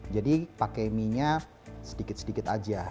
jadi pakai mienya sedikit sedikit aja